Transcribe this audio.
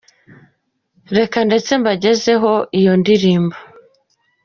Reka ndetse mbagezeho iyo ndirimbo :